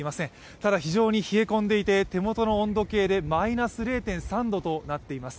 ただ非常に冷え込んでいて手元の温度計でマイナス０．３度となっています。